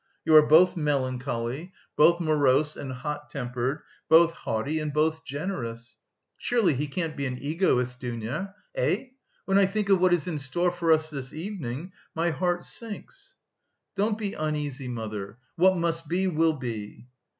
You are both melancholy, both morose and hot tempered, both haughty and both generous.... Surely he can't be an egoist, Dounia. Eh? When I think of what is in store for us this evening, my heart sinks!" "Don't be uneasy, mother. What must be, will be."